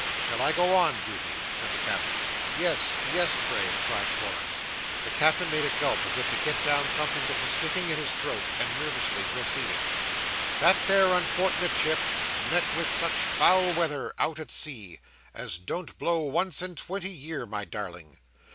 "Shall I go on, Beauty?" said the Captain. "Yes, yes, pray!" cried Florence. The Captain made a gulp as if to get down something that was sticking in his throat, and nervously proceeded: "That there unfort'nate ship met with such foul weather, out at sea, as don't blow once in twenty year, my darling.